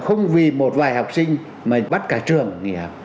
không vì một vài học sinh mà bắt cả trường nghỉ học